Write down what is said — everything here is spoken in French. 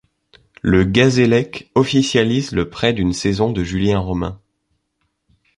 Le Gazélec officilaise le prêt d'une saison de Julien Romain.